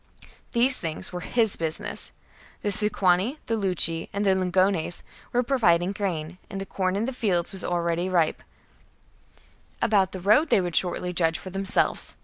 These things were his business. The Sequani, the Leuci, and the Lingones were providing grain, and the corn in the fields was already ripe : about the I HELVETII AND ARIOVISTUS 37 road they would shortly judge for themselves.